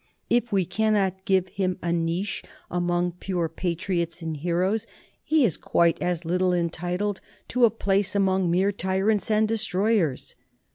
... If we cannot give him a niche among pure patriots and heroes, he is quite as little entitled to a place among mere tyrants and destroy ers.